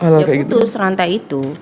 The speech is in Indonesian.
ya putus rantai itu